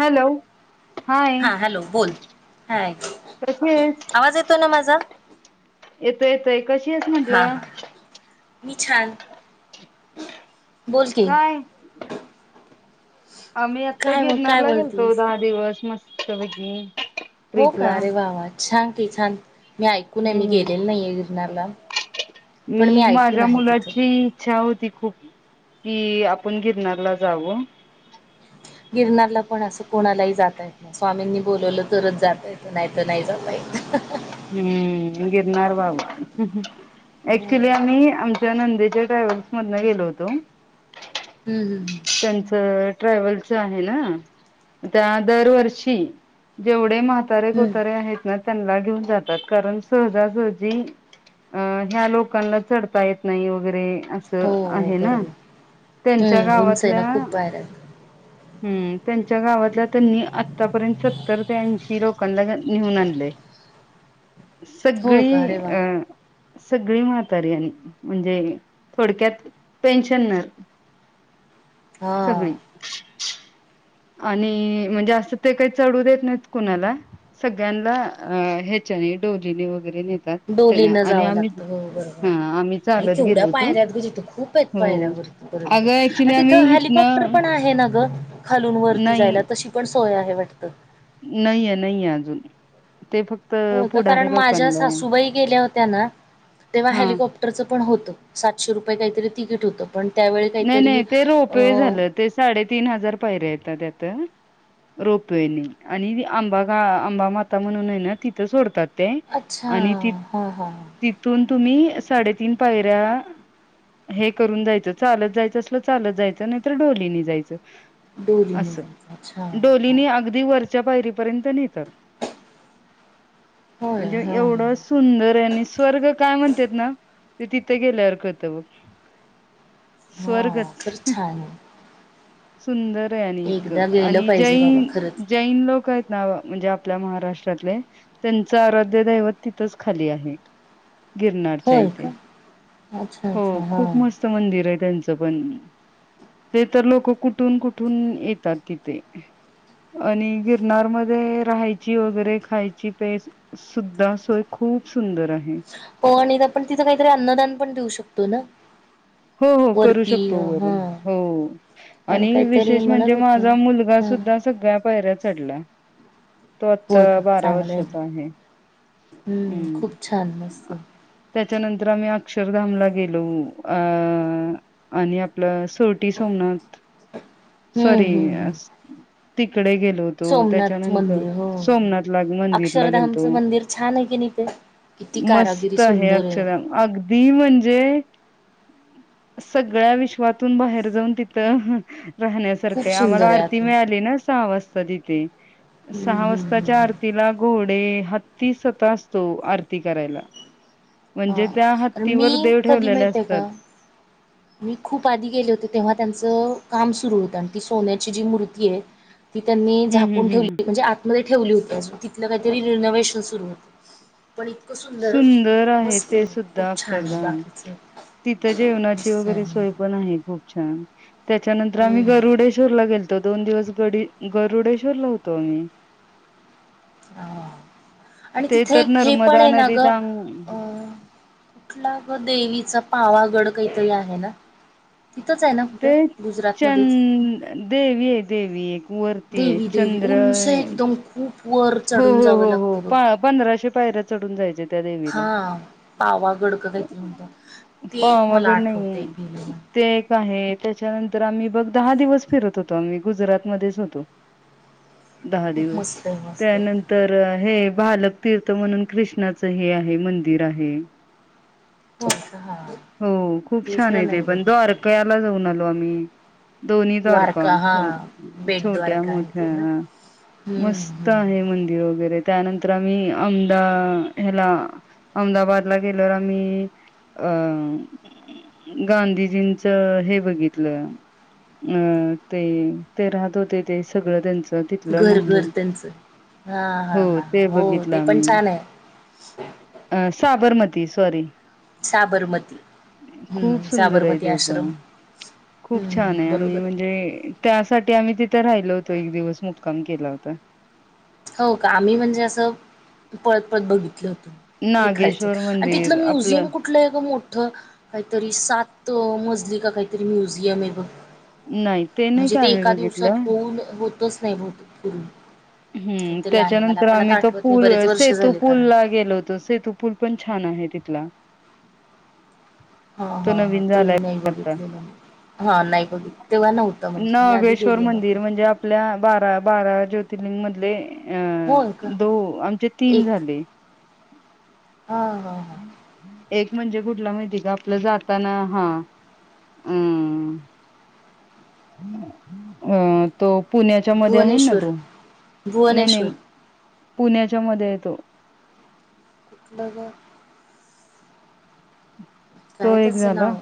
Hello hi हा hello बोल हा आवाज येतो ना माझा येत येतय कशी आहेस म्हंटलं मिछाल काय आम्ही आता काय मग काय गिरणारला गेलतो बोलतीस दहा दिवस मस्त बैगी हो का अ रे वा वा छान की छान मी ऐकूनय मी हम्म गेलेल नाही गिरणाला मी माझ्या तिथं मुलाची इच्छा होती ती खूप ती आपण गिरनला जावं गिरनारला पण असं कोणालाही जाता येत नाही स्वामींनी बोलवलं तरच जाता येत नाहीत नाही जाता येत ह हम्म घिरणारार बाबाू ऍक्च्युली हम्म आम्ही आमच्या नंदेच्या ट्रॅव्हल्स मधन गेलो होतो हम्म ॅवल आहे त्या दरवर्षी जेवढ कोतारे हम्म कोतारे आहेत ना त्यांना घेऊन जातात कारण सहजासहजी अ ह्या लोकांना चढता येत नाही वगैरे हो असं हो आहे ना बरोबर त्यांच्या हम्म उंच आहे ना गावातल्या खूप पायऱ्या आहेत हम् त्यांच्या गावातल्या त्यांनी आतापर्यंत सत्तर ते ऐंशी लोकांना नेऊन आणले हो का सगळी अरे वा अ सगळी म्हातारी म्हणजे थोडक्यात पेनशन न सगळी हा आणि म्हणजे असं ते काही चढू देत नाही कुणाला सगळ्यांना च ठो जव डोलीन जावं लागतं हो हा आम्ही बरोर चालत गेलो तेवढ्या होतो पायऱ्यात ग तिथं खूप हो प अगं ऍक्च्युली आम्ही हिथनं ता वरती नाही जायला तशी पण सोय आहे वाटत नाहीये नाहीये अजून ते फक्त होत पुढारी कारण माझ्या लोकांना आहे. सासूबाई गेल्या होत्या ना तेव्हा हा हेलिकॉप्टरच पण होत सातशे रुपये काहीतरी तिकीट होतं पण त्यावेळी नाही काहीतरी नाही ते अ रोपवे झालं ते साडेतीीन हजार पाहिरे येत त्यात रोपवे आणि आंबा गा आंबा माता म्हणून आहे ना तिथं सोडतात अच्छा आणि हां हां हां तिथून तुम्ही साडेतीीन पायऱ्या हे करून जायचं चालत जायचं असलं चालत जायचं नाहीतर डोलीनी जायचं डोलीने अस जायचं अच्छा हां डोलीनी अगदी वर पर्यंत नेतात होय म्हणजे हां एवढं सुंदर आहे आणि स्वर्ग काय म्हणतेत ना ते तिथे गेल्यावर कळते बग हां स्वर्गच खरंच छान आहे सुंदर आहे आणि इतकं एकदा गेलं आणि पाहिजे बाबा खरंच जैन जैन लोक आहेत ना म्हणजे आपल्या महा महाराष्ट्रातले त्यांच आराध्य दैवत तिथेच खाली आहे गिरण्यांच्या होय इथे का अच्छा हो अच्छा खूप हां मस्त मंदिर त्यांच पण ते तर लोकं कुठून कुठून येतात तिथे आणि गिरनार मध्ये राहायची वगैरे खायची सुद्धा सोय खूप खूप सुंदर आहे पण इथे आपण तिथं काहीतरी अन्नदान पण देऊ शकतो ना हो हो करू करू वरती शकतो हा हो पण आणि काहीतरी विशेष म्हणत म्हणजे होत्या माझा मुलगा हा सुद्धा सगळ्या पहिऱ्या चढल्या तो होय आता का बारा चांगलं वर्षाचा आहे हम्म खूप छान मस्त त्याच्यानंतर आम्ही अक्षरधामला गेलो अ आणि आपलं सोरटी सोमनाथ हम्म सॉरी हम्म हम्म इकडे गेलो होतो सोमनाथ त्यांच्यानंतर मंदिर हो हो सोमनाथ ला मंदिरला गेलतो अक्षरधामचं मंदिर छान आहे की नाही ते किती कारागिरी मस्त आहे सुंदर अक्षरधाम अगदी म्हणजे सगळ्या विश्वातून बाहेर जाऊन तिथं खूप राहण्यासारखे आम्हाला सुंदर आहे आरती आतून मिळाली ना सहा वाजता तिथे हम्म सहा हम्म हम्म वाजताच्या हम्म आरतीला घोडे हत्तीत असतो आरती करायला म्हणजे हा त्या कारण मी हत्तीवर देव कधी ठेवलेले माहित आहे असतात का मी खूप आधी गेले होते तेव्हा त्यांचं काम सुरू होतं आणि ती सोन्याची जी मूर्ती आहे ती त्यांनी हम्म हम्म झाकून हम्म हम्म. ठेवली म्हणजे आतमध्ये ठेवली होती तिथलं काहीतरी रिनोव्हेशन सुरू होत सुंदर आहे ते खूप सुद्धा छान आहे अक्षरधाम बाकीचं तिथं जेवणाची ची मस्त आहे वगैरे सोय पण मंदिर आहे खूप छान त्याच्यानंतर आम्ही हम्म गरुडेश्वरला गेलो दोन दिवस गरुडेश्वर ला होतो आम्ही ह आणि ते तिथे तर हे पण नर्मदा आहे ना नदी दांग कुठला बर देवीचा पावागड काहीतरी आहे ना तिथंच आहे ना कुठं ते चन गुजरातमध्येच देवी आहे देवी एक वरती देवी देवी चंद्र उंच एकदम खूप वर हो चढून हो जावं हो हो लागतं बघ पंधराशे पायऱ्या चढून जायचे त्या देवीला हा पावा गडक काही तर म्हणतात ते एक मला पावागड नाहीये. आठवतंय भेलेला ते एक आहेत त्याच्यानंतर आम्ही बघ दहा दिवस फिरत होतो आम्ही गुजरात मध्येच होतो दहा खूप दिवस मस्त आहे मस्त आहे. त्यानंतर हे भालक तीर्थ म्हणून कृष्णाच हे आहे मंदिर आहे हो हा हो खूप छान आहे तिसरं ते नाही पण बघितलं. द्वारकयाला जाऊन आलो आम्ही दोन्ही द्वारका हा बेट छोट्या द्वारका आहे मोठ्या ते ना हम्म मस्त र हम्म वगैरे त्यानंतर आम्ही अहमदाबादला गेल्यावर आम्ही अ गांधीजींचं हे बघितलं अं ते ते राहत होते ते सगळं त्यांच तिथलं घर घर माहल हा ह ह हो बघितलं ते पण आम्ही छान आहे अ साबरमती सॉरी साबरमती खूप हम्म सुंदर आहे साबरमती ते पण आश्रम खूप छान आहे हम्म आम्ही बरोबर म्हणजे त्यासाठी आम्ही तिथे राहिलो होतो एक दिवस मुक्काम कम केला होता हो का आम्ही म्हणजे असं परळत परत बघितलं होत हे खायच नागेश्वर आणि तिथलं मंदिर म्युझियम आपलं कुठलं आहे गठ काहीतरी सात मजली का काहीतरी म्युझियम आहे बघ नाही नाही म्हणजे का ते आम्ही एका दिवसात बघितलं होऊन होतच नाही भतरून हम्म त्याच्यानंतर आम्ही तो नाही पूल बरेच वर्ष सेतू झाले पूल कारण ला गेलो होतो सेतू पूल पण छान आहे तिथे शिकला हा हा हा ते नाही बघितले म मी आधी नगेश्वर गेलेलो मंदिर खूप. म्हणजे आपल्या बारा बारा ज्योति अ होय का दो आ तीन एक झाले हो एक म्हणजे कुठला माहिती का आपलं जाताना हा अम अह तो. पुण्याच्या मध्ये आहे ना भुवनेश्वर तो नाही भुवनेश्वर नाही. पुण्याच्या मध्ये येतो. ततल्याग काय तो एक त्याच झाला नाव.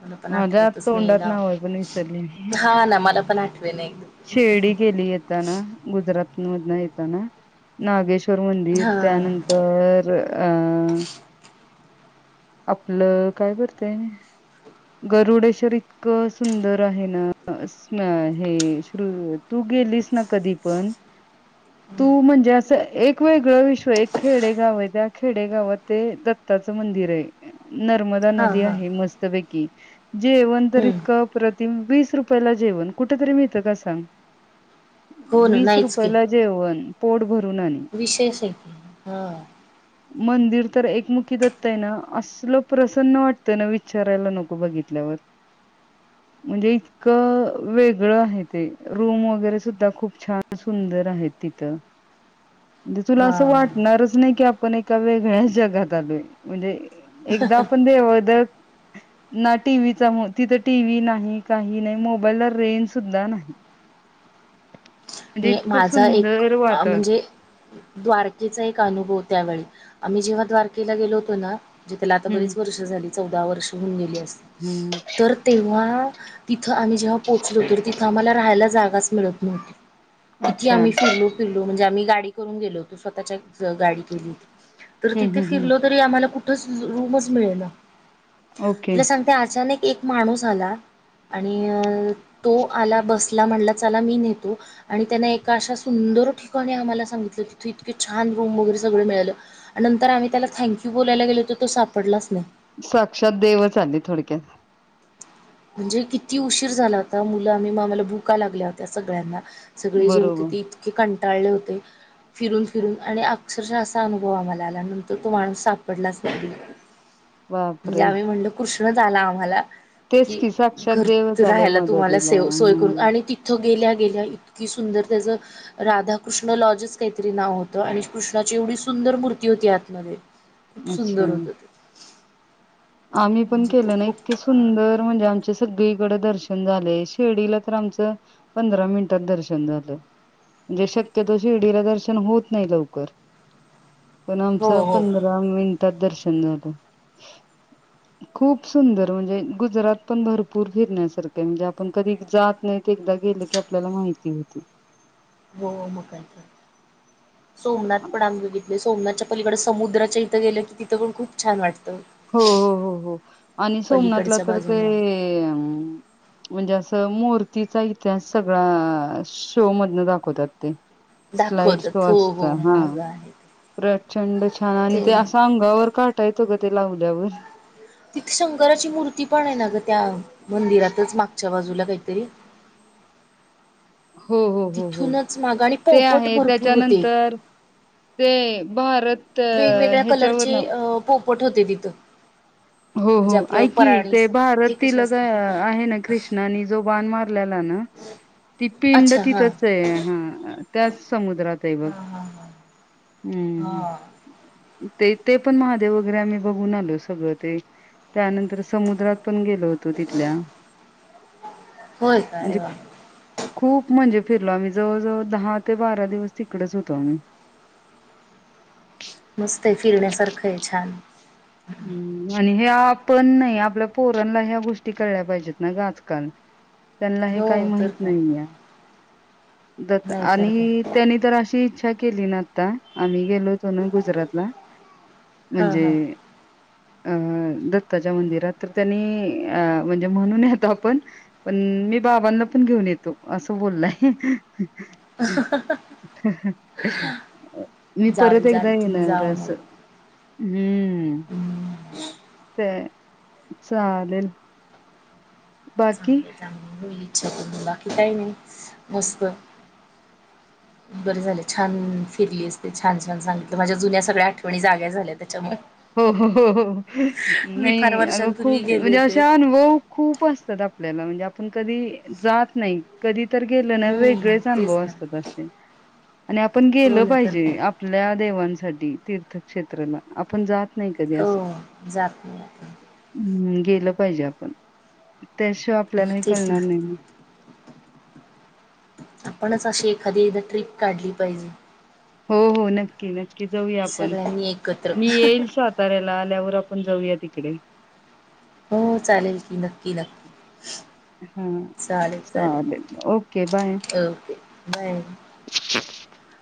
मला पण माझ्या आत आठवतच नाही तोंडात नाव नावय पण विसरली हा ना मला पण आठवे ना एकदम शेर्डी केली. दिली यता ना गुजरात. येता ना नागेश्वर मंदिर हा त्यानंतर. अ आपलं काय करतेय. गरुडेश्वर इतकं सुंदर आहे ना हे श तू गेलीस ना कधी पण. तू म्हणजे असं एक वेगळं विश्व एक खेडेगाव आहे त्या खेडेगावात ते दत् च मंदिर आहे. नर्मदा हा नदी हा आहे मस्तपैकी जेवण तर हम्म इतकं प्रतिम वीस रुपये. पहिला जेवण कुठ तरी मिळत का सांग. हो ना वीस नाहीच की रुपये ला जेवण पोट भरून आणि विशेष आहे की हा मंदिर तर एकमुखीदत्ता ना असल प्रसन्न वाटतंय ना विचारायला नको. तु बघितल्यावर म्हणजे इतकं वेगळं आहे ते रूम वगैरे सुद्धा खूप छान सुंदर आहेत. तिथं. म्हणजे तुला असं हा वाटणारच नाही की आपण एका वेगळ्या जगात आलोय म्हणजे. एकदा आपण देवद ना टीव्हीचा तिथं टीव्ही नाही काही नाही मोबाईलला रेंज सुद्धा नाही. म्हणजे इतकं माझा एक सुंदर वातावरण म्हणजे द्वारकेचा एक अनुभव त्यावेळी आम्ही जेव्हा द्वारकेला गेलोतो ना जे त्याला आता हम्म बरीच वर्ष झाली चौदा वर्ष होऊन गेली. हम्म तर तेव्हा. तिथं आम्ही जेव्हा पोहोचलो तर तिथं आम्हाला राहायला जागाच मिळत नव्हती. किती अच्छा आम्ही फिरलो फिरलो म्हणजे आम्ही गाडी करून गेलो होतो स्वतःच्या गाडी केली. तर हम्म तिथे हम्म हम्म फिरल तरी आम्हाला कुठंच रूमच मिळे ना ओके तुला सांगते अचानक एक माणूस आला. आणि अ तो आला बसला म्हणला चला मी नेतो. आणि त्यांना एका अशा सुंदर ठिकाणी आम्हाला सांगितलं कि इतके छान रूम वगैरे सगळं मिळालं. नंतर आम्ही त्याला थँक्यू बोलायला गेलोत तो सापडलाच नाही. साक्षात देवच आली थोडक्यात. म्हणजे किती उशीर झाला होता मुलं आम्ही माम्हाला भूका लागल्या होत्या सगळ्यांना. सगळे जे होते बरोबर ते इतके कंटाळले होते. फिरून फिरून आणि अक्षरशः असा अनुभव आम्हाला आला नंतर तो माणूस सापडलाच नाही. म्हणजे बापरे आम्ही म्हणलो कृष्णच आला आम्हाला तेच कि की साक्षात घर देवच आले राहायला तुम्हाला मदतीला सेव सोय करून आणि हं तिथं गेल्या गेल्या इतकी सुंदर त्याचं राधाकृष्ण लॉजच काहीतरी नाव होतं आणि कृष्णाची. म्हणजे सुंदर मूर्ती होती आतमध्ये खूप अच्छा सुंदर होत ते. आम्ही पण म्हणजे केल तो ना इतके खूप सुंदर म्हणजे आमची सगळी. कड दर्शन झालय शिर्डीला तर आमचं पंधरा मिनिटात दर्शन झालं. म्हणजे शक्यतो शिर्डीला दर्शन होत नाही लवकर. पण हो आमचं हो पंधरा मिनिटात दर्शन झालं. खूप सुंदर म्हणजे गुजरात पण भरपूर फिरण्यासारखे म्हणजे आपण कधी जात नाहीत एकदा गे. लोकी आपल्याला माहिती होती. हो मग काय तर सोमनाथ पण आम्ही बघितलय सोमनाथच्या. पलिकड समुद्राच्या इथं गेल कि पण खूप छान वाटत. हो, हो, हो आणि सोमनाथला पलीकडच्या तर ते बाजून म्हणजे, असं मूर्तीचा इतिहास सगळा शो मधनं दाखवतात. ते स्लाइड शो दाखवतात हो हो असतं. हा. महाग आहे प्रचंड छान! आणि ते असं अंगावर काटा येतो, गं ते लावल्यावर. तिथे शंकराची मूर्ती पण आहे, ना ग त्या मंदिरातचं मागच्या च्या बाजूला काहीतरी हो, हो, हो तिथूनच माग आणि ते पोपट आहे भरपूर होते एक त्याच्यानंतर ते भारत अ, वेगवेगळ्या ह्याच्यावर कलरचे ना अ पोपट होते तिथं. हो हो, म्हणजे आपलं ऐक कि ते पराणीच हे भारत कसे तिलक असतात तिथं आहे, ना कृष्णानी जो बाण मारलेला. ती पिंड अच्छा हा तिथंच आहे, हा त्याच समुद्रात आहे हा बघं. हा हा [inaudible] हा. ते ते पण महादेव वगैरे आम्ही, बघून आलोय सगळं ते त्यानंतर समुद्रात पण गेलो होतो, तिथल्या होय का म्हणजे अरे वा [unintelligible] खूप म्हणजे फिरलो आम्ही, जवळजवळ दहा ते बारा दिवस तिकडेच होतो, आम्ही. मस्त आहे फिरण्यासारखं आहे. छान! हम्म आणि हे आपण नाही आपल्या पोरांला ह्या गोष्टी कळल्या, पाहिजेत ना गं आजकाल त्यांना हे हो काही माहित तर काय नाही या दत नाहीतर काय आणि त्यानी तर अशी इच्छा केली, ना आता आणि गेलो होतो, ना गुजरातला हा म्हणजे हा अ दत्ताच्या मंदिरात तर त्यांनी म्हणजे, म्हणून येतो. आपण पण मी बाबांना पण घेऊन येतो, असं बोललाय. [unintelligible] मी परत जाल जाल एकदा तुम्ही येणार जावा मग असं. हम्म! हम्म, ते चालेल. बाकी चांगलंय चांगलय होईल, बाकी काय नाही मस्त. [inaudible] बरं झालं छा! न फिरलीस ते छान छान सांगितलं माझ्या जुन्या सगळ्या आठवणी जाग्या झाल्यात हो हो हो, मी फार नाही अगं वर्षांपूर्वी खूप गेले म्हणजे, होते अशा अनुभव खुप असतात. आपल्याला म्हणजे, आपण कधी जात नाही. तर गेले, ना हम्म वेगळेच तेच अनूभव ना असतात. अशे आणि आपण हो गेलं ना तर पाहिजे, काय आपल्या देवांसाठी तीर्थक्षेत्राला आपण जात नाही कधी अस हो जात नाही आपण हम् गेलं पाहिजे. आपण त्याशिवाय आपल्याला हे कळणार नाही, ना. आपणच अशी एखादी एकदा ट्रिप काढली पाहिजे. हो, हो नक्की नक्की. की जाऊया, आपण सगळ्यांनी एकत्र मी येईल साताऱ्याला आल्यावर आपण जाऊया तिकडे. हो, चालेल की नक्की नक्की. हा चालेल, ओके बाय! Okay bye [unintelligible]